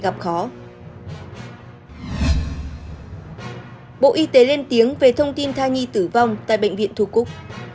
bộ y tế lên tiếng về thông tin thai nhi tử vong tại bệnh viện thu cúc